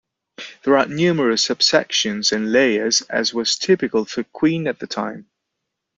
There are numerous subsections and layers, as was typical for Queen at the time.